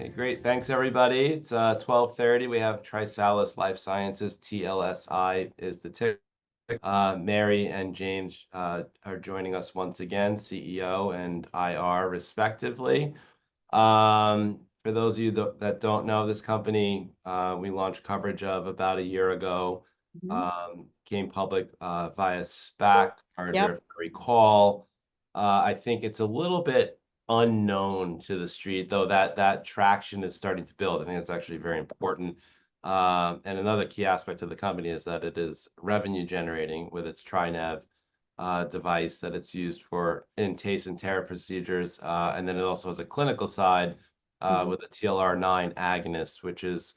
Hey, great. Thanks, everybody. It's 12:30 P.M. We have TriSalus Life Sciences, TLSI is the ticker. Mary and James are joining us once again, CEO and IR respectively. For those of you that don't know this company, we launched coverage of about a year ago. Mm-hmm. Came public via SPAC- Yep As I recall. I think it's a little bit unknown to the street, though, that traction is starting to build. I think it's actually very important. And another key aspect of the company is that it is revenue generating with its TriNav device, that it's used for in TACE and TARE procedures. And then it also has a clinical side, Mm ...with a TLR9 agonist, which is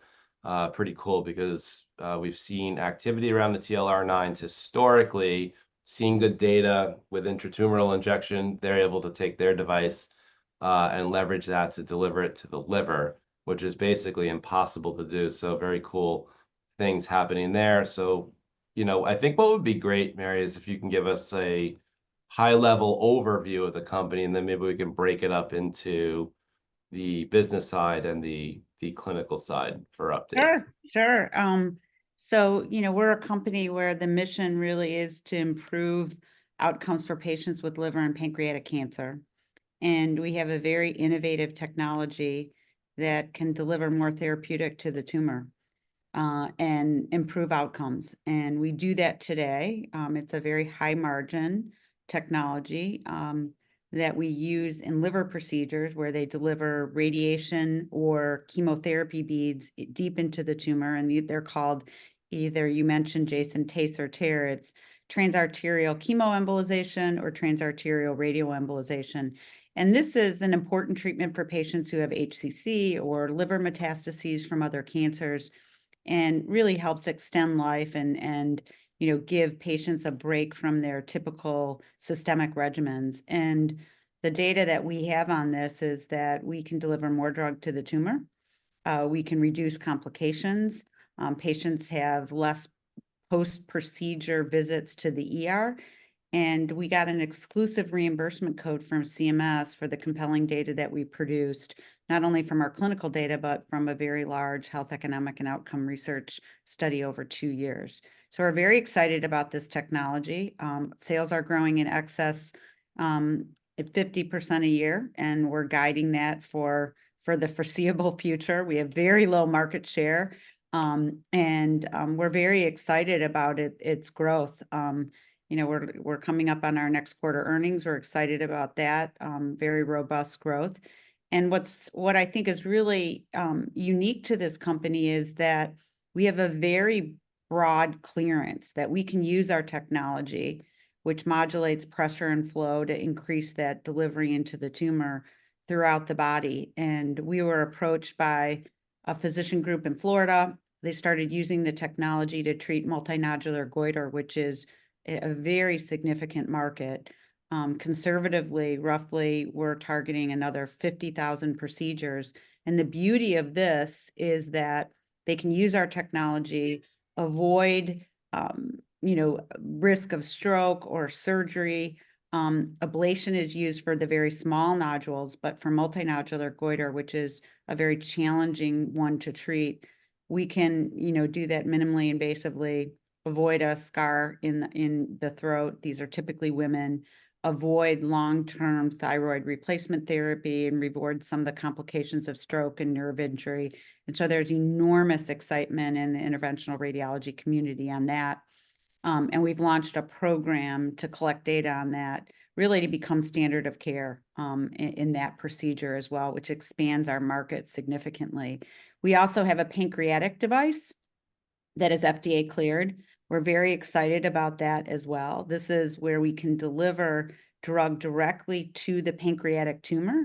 pretty cool because we've seen activity around the TLR9s historically, seeing good data with intratumoral injection. They're able to take their device and leverage that to deliver it to the liver, which is basically impossible to do, so very cool things happening there. So, you know, I think what would be great, Mary, is if you can give us a high-level overview of the company, and then maybe we can break it up into the business side and the clinical side for updates. Sure, sure. So, you know, we're a company where the mission really is to improve outcomes for patients with liver and pancreatic cancer, and we have a very innovative technology that can deliver more therapeutic to the tumor, and improve outcomes, and we do that today. It's a very high-margin technology, that we use in liver procedures, where they deliver radiation or chemotherapy beads deep into the tumor, and they're called either, you mentioned, Jason, TACE or TARE. It's transarterial chemoembolization or transarterial radioembolization. And this is an important treatment for patients who have HCC or liver metastases from other cancers, and really helps extend life and, you know, give patients a break from their typical systemic regimens. And the data that we have on this is that we can deliver more drug to the tumor, we can reduce complications, patients have less post-procedure visits to the ER, and we got an exclusive reimbursement code from CMS for the compelling data that we produced, not only from our clinical data, but from a very large health, economic, and outcome research study over two years. So we're very excited about this technology. Sales are growing in excess at 50% a year, and we're guiding that for the foreseeable future. We have very low market share, and we're very excited about its growth. You know, we're coming up on our next quarter earnings. We're excited about that, very robust growth. What I think is really unique to this company is that we have a very broad clearance, that we can use our technology, which modulates pressure and flow, to increase that delivery into the tumor throughout the body. We were approached by a physician group in Florida. They started using the technology to treat multinodular goiter, which is a very significant market. Conservatively, roughly, we're targeting another 50,000 procedures, and the beauty of this is that they can use our technology, avoid you know, risk of stroke or surgery. Ablation is used for the very small nodules, but for multinodular goiter, which is a very challenging one to treat, we can, you know, do that minimally invasively, avoid a scar in the throat, these are typically women, avoid long-term thyroid replacement therapy, and avoid some of the complications of stroke and nerve injury. So there's enormous excitement in the interventional radiology community on that. And we've launched a program to collect data on that, really to become standard of care in that procedure as well, which expands our market significantly. We also have a pancreatic device that is FDA-cleared. We're very excited about that as well. This is where we can deliver drug directly to the pancreatic tumor.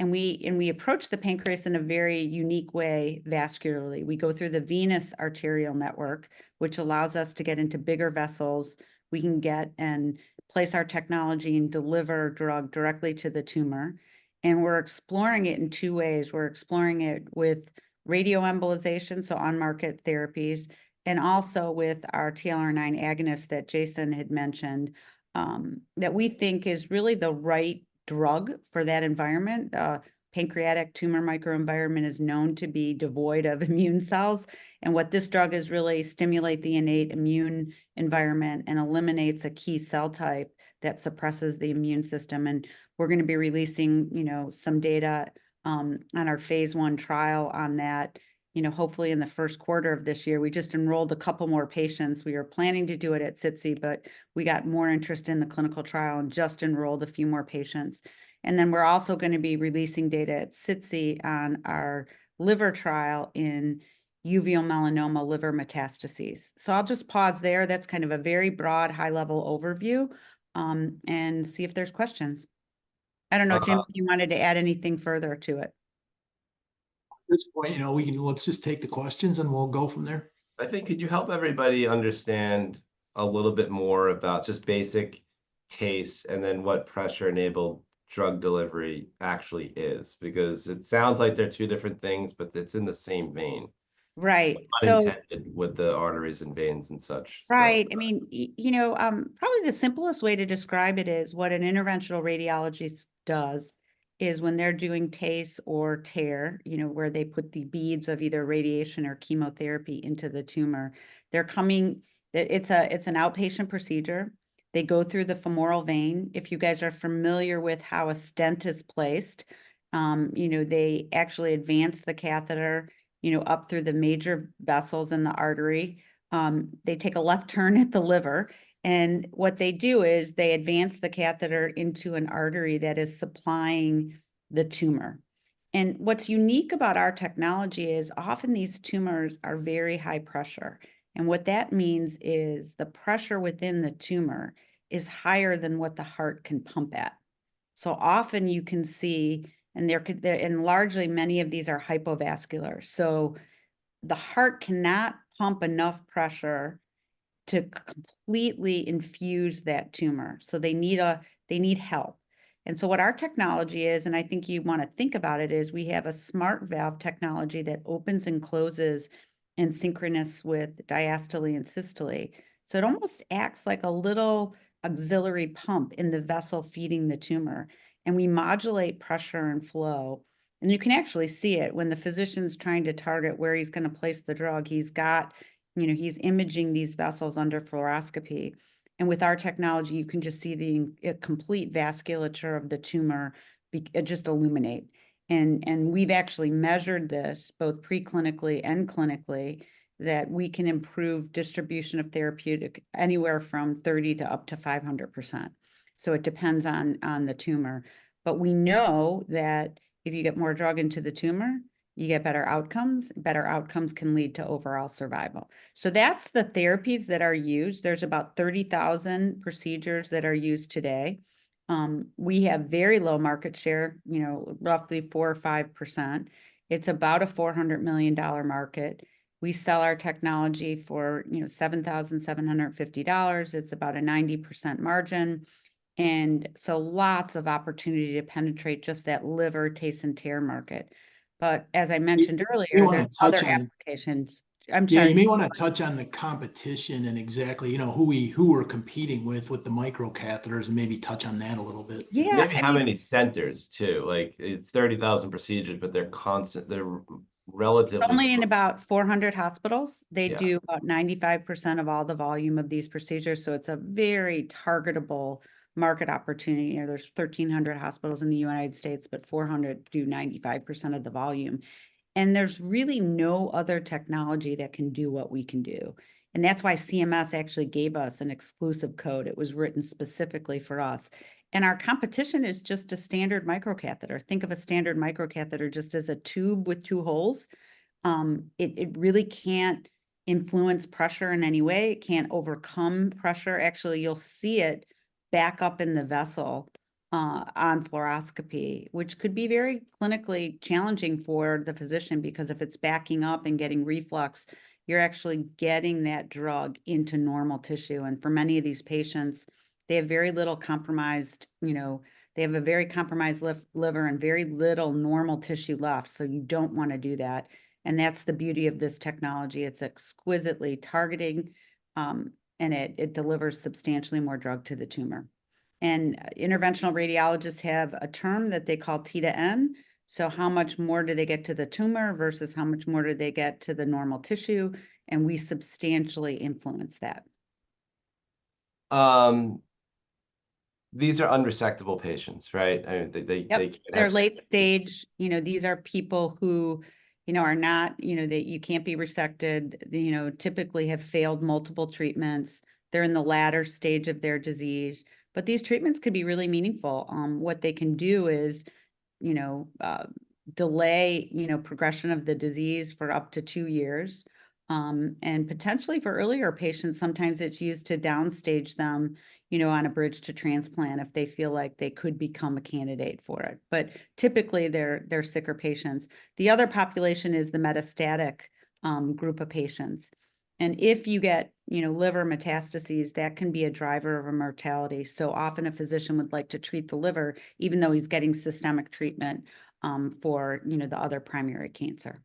And we approach the pancreas in a very unique way vascularly. We go through the venous arterial network, which allows us to get into bigger vessels. We can get and place our technology and deliver drug directly to the tumor, and we're exploring it in two ways. We're exploring it with radioembolization, so on-market therapies, and also with our TLR9 agonist that Jason had mentioned, that we think is really the right drug for that environment. Pancreatic tumor microenvironment is known to be devoid of immune cells, and what this drug is really stimulate the innate immune environment and eliminates a key cell type that suppresses the immune system, and we're gonna be releasing, you know, some data on our phase one trial on that, you know, hopefully in the first quarter of this year. We just enrolled a couple more patients. We were planning to do it at SITC, but we got more interest in the clinical trial and just enrolled a few more patients. And then we're also gonna be releasing data at SITC on our liver trial in uveal melanoma liver metastases. So I'll just pause there. That's kind of a very broad, high-level overview, and see if there's questions. So- I don't know, Jim, if you wanted to add anything further to it? At this point, you know, we can... Let's just take the questions, and we'll go from there. I think, could you help everybody understand a little bit more about just basic TACE, and then what Pressure-Enabled Drug Delivery actually is? Because it sounds like they're two different things, but it's in the same vein.... right, so Unintended with the arteries and veins and such, so- Right. I mean, you know, probably the simplest way to describe it is, what an interventional radiologist does is when they're doing TACE or TARE, you know, where they put the beads of either radiation or chemotherapy into the tumor, it's an outpatient procedure. They go through the femoral vein. If you guys are familiar with how a stent is placed, you know, they actually advance the catheter, you know, up through the major vessels in the artery. They take a left turn at the liver, and what they do is they advance the catheter into an artery that is supplying the tumor. What's unique about our technology is often these tumors are very high pressure, and what that means is the pressure within the tumor is higher than what the heart can pump at. So often you can see, and largely, many of these are hypovascular, so the heart cannot pump enough pressure to completely infuse that tumor, so they need a... They need help. And so what our technology is, and I think you'd wanna think about it, is we have a smart valve technology that opens and closes in synchrony with diastole and systole. So it almost acts like a little auxiliary pump in the vessel feeding the tumor, and we modulate pressure and flow. And you can actually see it when the physician's trying to target where he's gonna place the drug. He's got... You know, he's imaging these vessels under fluoroscopy, and with our technology, you can just see the complete vasculature of the tumor just illuminate. We've actually measured this, both preclinically and clinically, that we can improve distribution of therapeutic anywhere from 30% to up to 500%, so it depends on the tumor. But we know that if you get more drug into the tumor, you get better outcomes. Better outcomes can lead to overall survival. So that's the therapies that are used. There's about 30,000 procedures that are used today. We have very low market share, you know, roughly 4%-5%. It's about a $400 million market. We sell our technology for, you know, $7,750. It's about a 90% margin, and so lots of opportunity to penetrate just that liver TACE and TARE market. But as I mentioned earlier. You may wanna touch on-... there's other applications. I'm sorry? Yeah, you may wanna touch on the competition and exactly, you know, who we're competing with the microcatheters and maybe touch on that a little bit. Yeah, and- Maybe how many centers, too. Like, it's 30,000 procedures, but they're constant... They're relatively- Only in about 400 hospitals. Yeah. They do about 95% of all the volume of these procedures, so it's a very targetable market opportunity. You know, there's 1,300 hospitals in the United States, but 400 do 95% of the volume, and there's really no other technology that can do what we can do, and that's why CMS actually gave us an exclusive code. It was written specifically for us, and our competition is just a standard microcatheter. Think of a standard microcatheter just as a tube with two holes. It really can't influence pressure in any way. It can't overcome pressure. Actually, you'll see it back up in the vessel on fluoroscopy, which could be very clinically challenging for the physician because if it's backing up and getting reflux, you're actually getting that drug into normal tissue. And for many of these patients, they have very little compromised, you know. They have a very compromised liver and very little normal tissue left, so you don't wanna do that, and that's the beauty of this technology. It's exquisitely targeting, and it delivers substantially more drug to the tumor. And interventional radiologists have a term that they call T to N. So how much more do they get to the tumor versus how much more do they get to the normal tissue? And we substantially influence that. These are unresectable patients, right? I mean, they- Yep... they can't- They're late stage. You know, these are people who, you know, are not, you know, they can't be resected. They, you know, typically have failed multiple treatments. They're in the latter stage of their disease. But these treatments can be really meaningful. What they can do is, you know, delay, you know, progression of the disease for up to two years, and potentially for earlier patients, sometimes it's used to down stage them, you know, on a bridge to transplant if they feel like they could become a candidate for it. But typically, they're sicker patients. The other population is the metastatic group of patients, and if you get, you know, liver metastases, that can be a driver of a mortality, so often a physician would like to treat the liver even though he's getting systemic treatment, for, you know, the other primary cancer.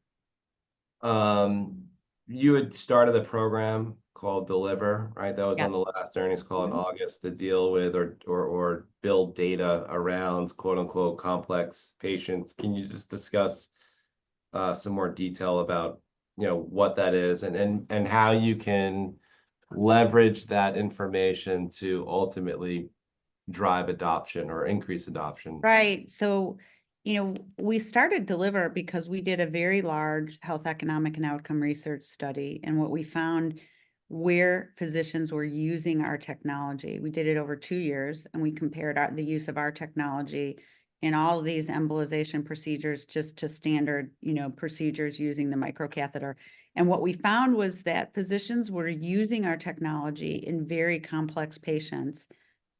You had started a program called DELIVER, right? Yes. That was on the last earnings call in August, to deal with or build data around quote, unquote, "complex patients." Can you just discuss some more detail about, you know, what that is and how you can leverage that information to ultimately drive adoption or increase adoption? Right. So, you know, we started DELIVER because we did a very large health economic and outcome research study, and what we found where physicians were using our technology. We did it over two years, and we compared the use of our technology in all of these embolization procedures just to standard, you know, procedures using the microcatheter. And what we found was that physicians were using our technology in very complex patients,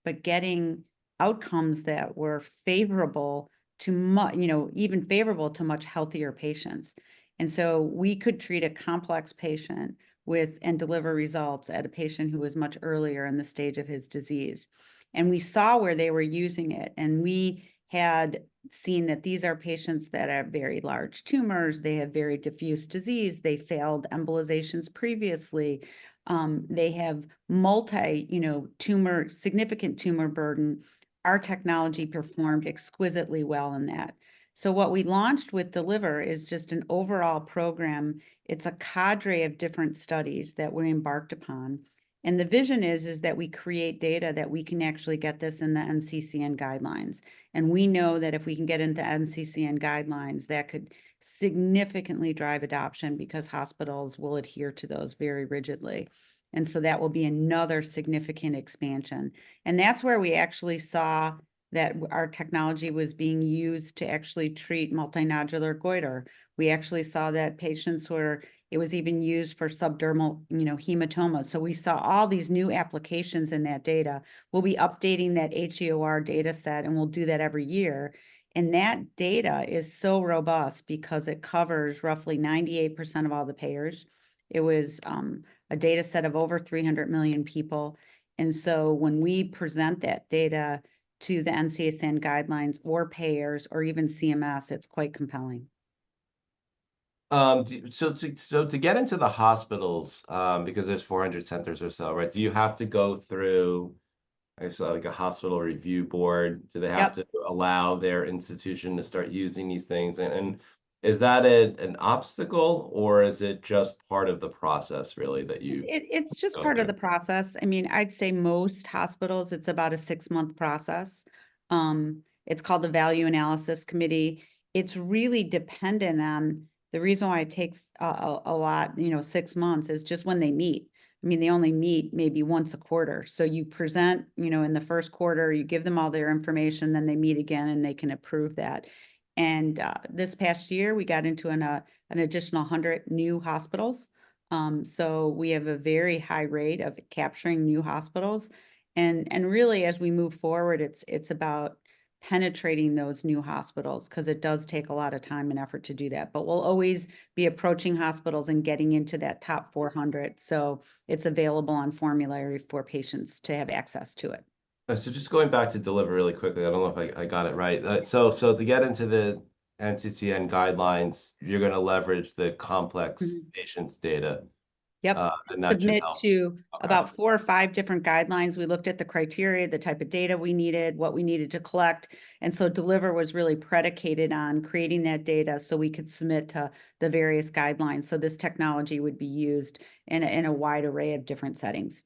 but getting outcomes that were favorable to, you know, even favorable to much healthier patients. And so we could treat a complex patient with... and deliver results at a patient who was much earlier in the stage of his disease. And we saw where they were using it, and we had seen that these are patients that have very large tumors, they have very diffuse disease, they failed embolizations previously, they have multi, you know, tumor, significant tumor burden. Our technology performed exquisitely well in that. So what we launched with DELIVER is just an overall program. It's a cadre of different studies that were embarked upon, and the vision is that we create data that we can actually get this in the NCCN guidelines. And we know that if we can get in the NCCN guidelines, that could significantly drive adoption, because hospitals will adhere to those very rigidly. And so that will be another significant expansion. And that's where we actually saw that our technology was being used to actually treat multinodular goiter. We actually saw that patients were... It was even used for subdermal, you know, hematomas. So we saw all these new applications in that data. We'll be updating that HEOR data set, and we'll do that every year, and that data is so robust because it covers roughly 98% of all the payers. It was a data set of over 300 million people, and so when we present that data to the NCCN guidelines or payers or even CMS, it's quite compelling. So to get into the hospitals, because there's 400 centers or so, right? Do you have to go through, I guess, like, a hospital review board? Yep... do they have to allow their institution to start using these things? And, is that an obstacle, or is it just part of the process, really, that you- It's just- Okay... part of the process. I mean, I'd say most hospitals, it's about a six-month process. It's called the value analysis committee. It's really dependent on. The reason why it takes a lot, you know, six months, is just when they meet. I mean, they only meet maybe once a quarter. So you present, you know, in the first quarter, you give them all their information, then they meet again, and they can approve that. And, this past year, we got into an additional 100 new hospitals. So we have a very high rate of capturing new hospitals, and really, as we move forward, it's about penetrating those new hospitals, 'cause it does take a lot of time and effort to do that. But we'll always be approaching hospitals and getting into that top 400, so it's available on formulary for patients to have access to it. Just going back to DELIVER really quickly, I don't know if I got it right. To get into the NCCN guidelines, you're gonna leverage the complex- Mm-hmm... patients' data. Yep. The nodular- Submit to- Okay... about four or five different guidelines. We looked at the criteria, the type of data we needed, what we needed to collect, and so DELIVER was really predicated on creating that data so we could submit to the various guidelines, so this technology would be used in a wide array of different settings.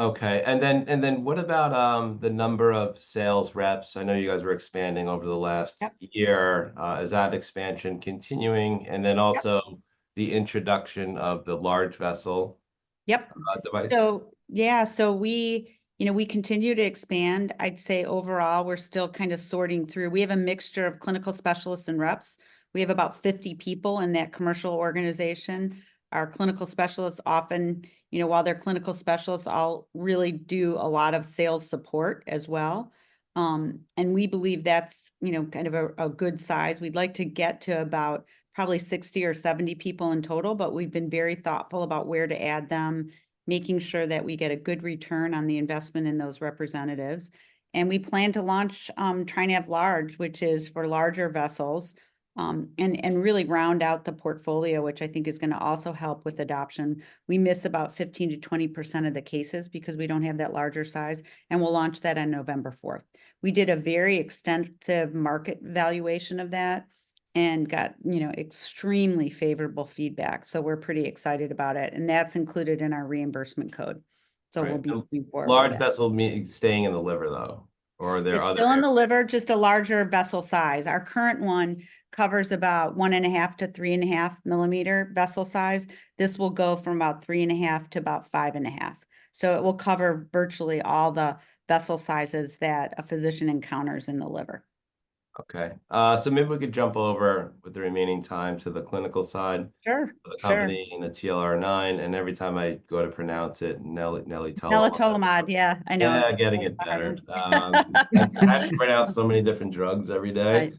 Okay. And then what about the number of sales reps? I know you guys were expanding over the last- Yep... year. Is that expansion continuing? Yep. And then also the introduction of the large vessel- Yep... device. We continue to expand. I'd say overall we're still kind of sorting through. We have a mixture of clinical specialists and reps. We have about 50 people in that commercial organization. Our clinical specialists often, you know, while they're clinical specialists, all really do a lot of sales support as well. And we believe that's, you know, kind of a good size. We'd like to get to about probably 60 or 70 people in total, but we've been very thoughtful about where to add them, making sure that we get a good return on the investment in those representatives. And we plan to launch TriNav Large, which is for larger vessels, and really round out the portfolio, which I think is gonna also help with adoption. We miss about 15%-20% of the cases because we don't have that larger size, and we'll launch that on November 4th. We did a very extensive market valuation of that and got, you know, extremely favorable feedback, so we're pretty excited about it, and that's included in our reimbursement code. Right. So we'll be moving forward with that. Large vessel means staying in the liver, though, or are there others? It's still in the liver, just a larger vessel size. Our current one covers about one and a half to three and a half millimeter vessel size. This will go from about three and a half to about five and a half. So it will cover virtually all the vessel sizes that a physician encounters in the liver. Okay, so maybe we could jump over, with the remaining time, to the clinical side- Sure, sure... of the company and the TLR9, and every time I go to pronounce it, nelatolimod. Nelatolimod, yeah. I know. Yeah, getting it better. I have to pronounce so many different drugs every day.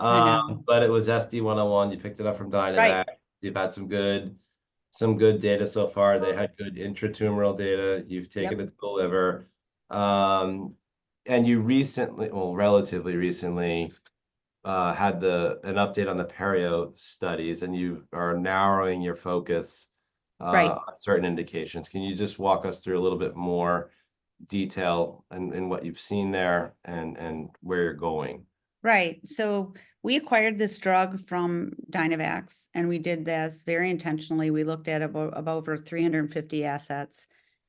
Right. You do. But it was SD-101. You picked it up from Dynavax. Right. You've had some good data so far. Yeah. They had good intratumoral data. Yep. You've taken it to the liver and you recently, well, relatively recently, had an update on the PERIO studies, and you are narrowing your focus on certain indications. Can you just walk us through a little bit more detail on what you've seen there, and where you're going? Right. So we acquired this drug from Dynavax, and we did this very intentionally. We looked at over 350 assets,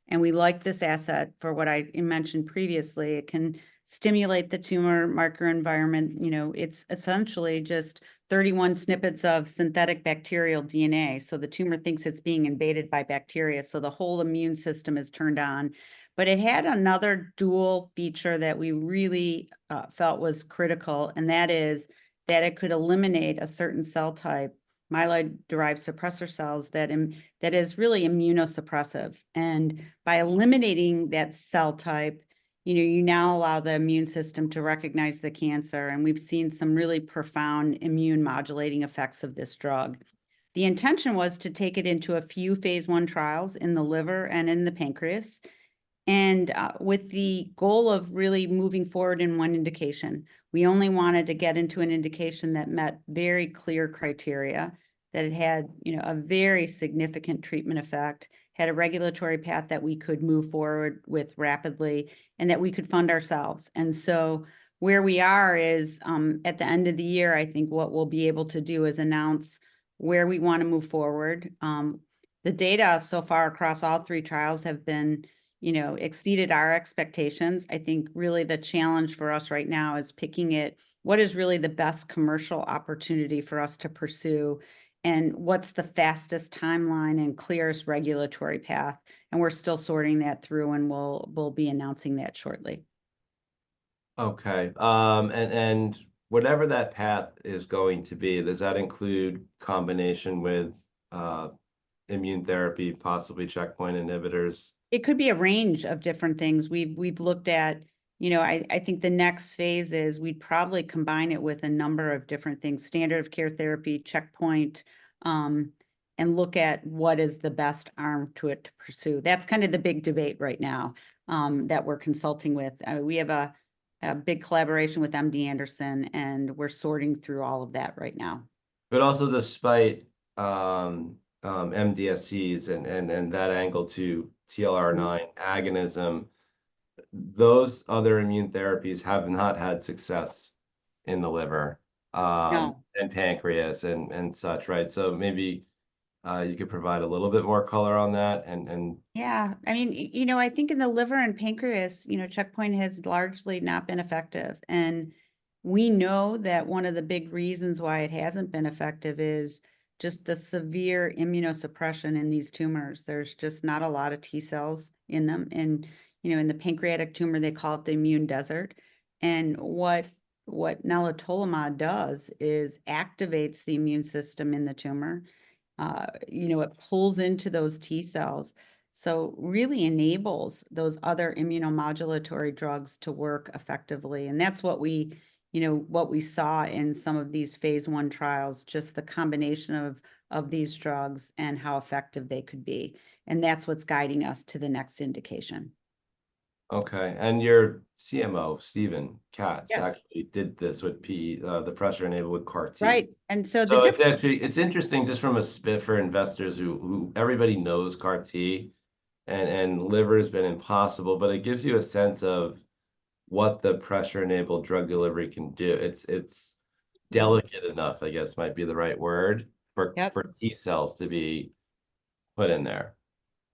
and we liked this asset for what I mentioned previously. It can stimulate the tumor microenvironment. You know, it's essentially just 31 snippets of synthetic bacterial DNA, so the tumor thinks it's being invaded by bacteria, so the whole immune system is turned on. But it had another dual feature that we really felt was critical, and that is that it could eliminate a certain cell type, myeloid-derived suppressor cells, that is really immunosuppressive. And by eliminating that cell type, you know, you now allow the immune system to recognize the cancer, and we've seen some really profound immune-modulating effects of this drug. The intention was to take it into a few phase one trials in the liver and in the pancreas, and with the goal of really moving forward in one indication. We only wanted to get into an indication that met very clear criteria, that it had, you know, a very significant treatment effect, had a regulatory path that we could move forward with rapidly, and that we could fund ourselves. So where we are is, at the end of the year, I think what we'll be able to do is announce where we wanna move forward. The data so far across all three trials have been... you know, exceeded our expectations. I think really the challenge for us right now is picking it, what is really the best commercial opportunity for us to pursue, and what's the fastest timeline and clearest regulatory path? We're still sorting that through, and we'll be announcing that shortly. Okay. Whatever that path is going to be, does that include combination with immune therapy, possibly checkpoint inhibitors? It could be a range of different things. We've looked at... You know, I think the next phase is we'd probably combine it with a number of different things, standard of care therapy, checkpoint, and look at what is the best arm to it to pursue. That's kind of the big debate right now, that we're consulting with. We have a big collaboration with MD Anderson, and we're sorting through all of that right now. But also despite MDSCs and that angle to TLR9 agonism, those other immune therapies have not had success in the liver. No... and pancreas and such, right? So maybe you could provide a little bit more color on that, and- Yeah. I mean, you know, I think in the liver and pancreas, you know, checkpoint has largely not been effective. And we know that one of the big reasons why it hasn't been effective is just the severe immunosuppression in these tumors. There's just not a lot of T cells in them, and, you know, in the pancreatic tumor, they call it the immune desert. And what nelatolimod does is activates the immune system in the tumor. You know, it pulls into those T cells, so really enables those other immunomodulatory drugs to work effectively. And that's what we, you know, what we saw in some of these phase one trials, just the combination of these drugs and how effective they could be, and that's what's guiding us to the next indication. Okay. And your CMO, Steven Katz- Yes... actually did this with P, the pressure enabled with CAR T. Right, and so the diff- So it's actually, it's interesting just from an aspect for investors who everybody knows CAR T, and liver's been impossible, but it gives you a sense of what the pressure-enabled drug delivery can do. It's delicate enough, I guess might be the right word- Yep... for T cells to be put in there.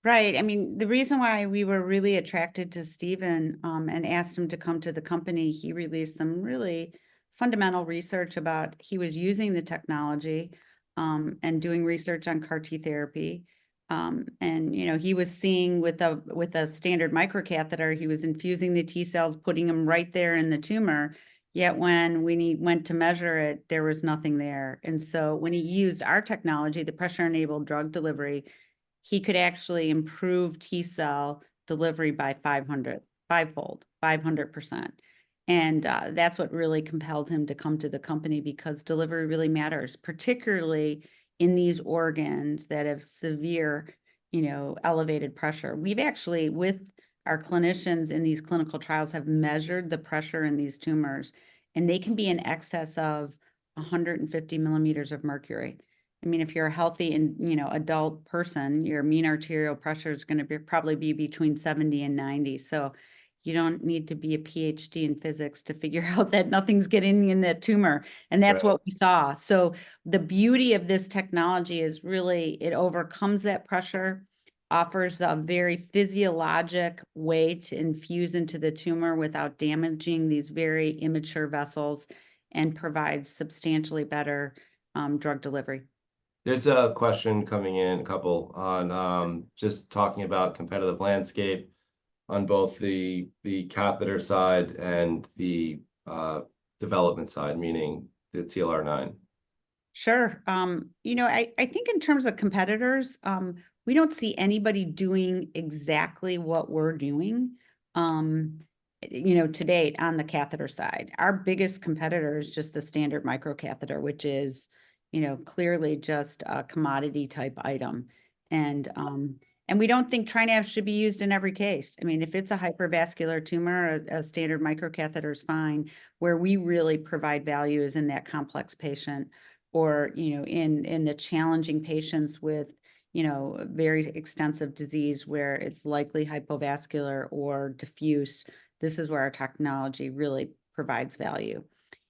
Right. I mean, the reason why we were really attracted to Steven and asked him to come to the company, he released some really fundamental research. He was using the technology and doing research on CAR T therapy. And, you know, he was seeing with a standard microcatheter, he was infusing the T cells, putting them right there in the tumor, yet when we went to measure it, there was nothing there. And so when he used our technology, the pressure-enabled drug delivery, he could actually improve T-cell delivery by fivefold, 500%. And that's what really compelled him to come to the company, because delivery really matters, particularly in these organs that have severe, you know, elevated pressure. We've actually, with our clinicians in these clinical trials, have measured the pressure in these tumors, and they can be in excess of 150 millimeters of mercury. I mean, if you're a healthy and, you know, adult person, your mean arterial pressure is gonna be, probably be between 70 and 90. So you don't need to be a PhD in physics to figure out that nothing's getting in that tumor. Right. That's what we saw. The beauty of this technology is really it overcomes that pressure, offers a very physiologic way to infuse into the tumor without damaging these very immature vessels, and provides substantially better drug delivery. There's a question coming in, a couple on just talking about competitive landscape on both the catheter side and the development side, meaning the TLR9.... Sure. You know, I think in terms of competitors, we don't see anybody doing exactly what we're doing, you know, to date on the catheter side. Our biggest competitor is just the standard microcatheter, which is, you know, clearly just a commodity-type item. And we don't think TriNav should be used in every case. I mean, if it's a hypervascular tumor, a standard microcatheter is fine. Where we really provide value is in that complex patient or, you know, in the challenging patients with, you know, very extensive disease where it's likely hypovascular or diffuse. This is where our technology really provides value.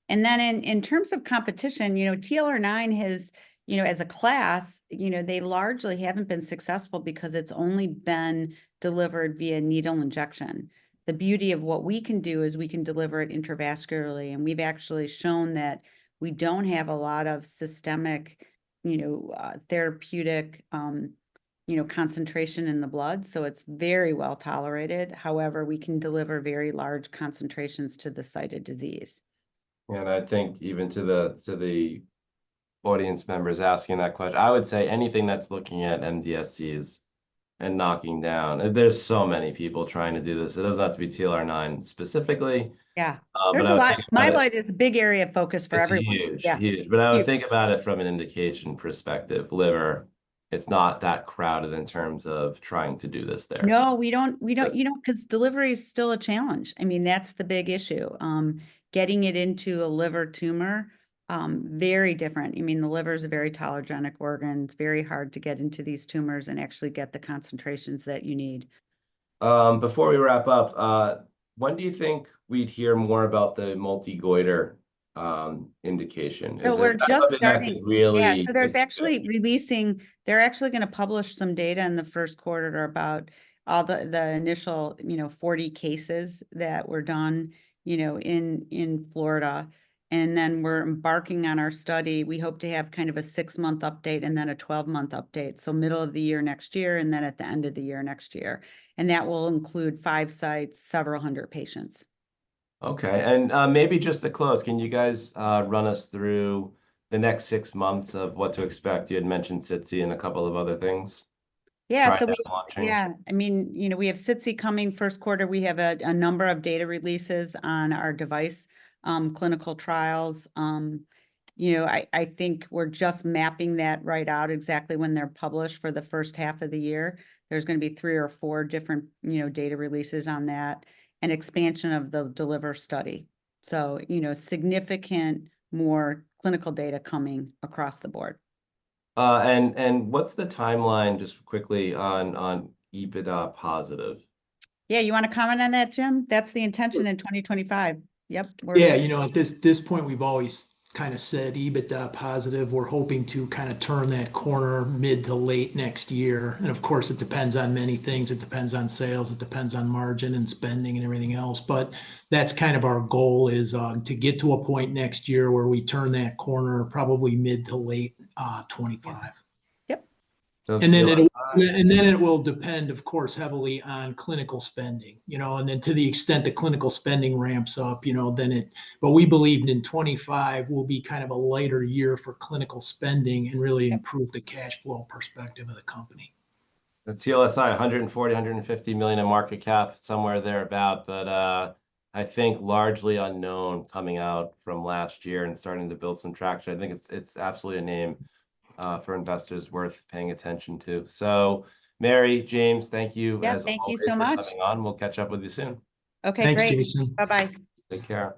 And then in terms of competition, you know, TLR9 has, you know, as a class, you know, they largely haven't been successful because it's only been delivered via needle injection. The beauty of what we can do is we can deliver it intravascularly, and we've actually shown that we don't have a lot of systemic, you know, therapeutic, you know, concentration in the blood, so it's very well-tolerated. However, we can deliver very large concentrations to the site of disease. I think even to the audience members asking that question, I would say anything that's looking at MDSCs and knocking down... There's so many people trying to do this. It doesn't have to be TLR9 specifically. Yeah. But I would think about it- There's a lot... myeloid is a big area of focus for everyone. It's huge. Yeah. Huge. Huge. But I would think about it from an indication perspective. Liver, it's not that crowded in terms of trying to do this there. No, we don't. You know, 'cause delivery is still a challenge. I mean, that's the big issue. Getting it into a liver tumor, very different. I mean, the liver's a very tolerogenic organ. It's very hard to get into these tumors and actually get the concentrations that you need. Before we wrap up, when do you think we'd hear more about the multinodular goiter indication? We're just starting. That could really- Yeah, so they're actually gonna publish some data in the first quarter about all the initial, you know, 40 cases that were done, you know, in Florida, and then we're embarking on our study. We hope to have kind of a six-month update, and then a 12-month update, so middle of the year next year, and then at the end of the year next year, and that will include five sites, several hundred patients. Okay, and, maybe just to close, can you guys, run us through the next six months of what to expect? You had mentioned SITC and a couple of other things. Yeah, so we- Right, that's an option. Yeah. I mean, you know, we have SITC coming first quarter. We have a number of data releases on our device clinical trials. You know, I think we're just mapping that right out, exactly when they're published for the first half of the year. There's gonna be three or four different, you know, data releases on that, and expansion of the DELIVER study. So, you know, significant more clinical data coming across the board. What's the timeline, just quickly, on EBITDA positive? Yeah, you wanna comment on that, Jim? That's the intention, in 2025. Yep, we're- Yeah, you know, at this point, we've always kind of said EBITDA positive. We're hoping to kind of turn that corner mid to late next year, and of course, it depends on many things. It depends on sales, it depends on margin, and spending, and everything else. But that's kind of our goal, is to get to a point next year where we turn that corner, probably mid to late 2025. Yeah. Yep. So it's- And then it will depend, of course, heavily on clinical spending, you know. And then to the extent the clinical spending ramps up, you know, then it. But we believe that in 2025 will be kind of a lighter year for clinical spending, and really improve the cash flow perspective of the company. And TLSI $140-$150 million in market cap, somewhere thereabout, but I think largely unknown coming out from last year and starting to build some traction. I think it's absolutely a name for investors worth paying attention to. So Mary, James, thank you as always- Yep, thank you so much.... for coming on. We'll catch up with you soon. Okay, great. Thanks, Jason. Bye-bye. Take care.